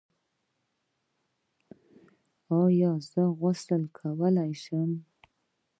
ایا زه غسل کولی شم؟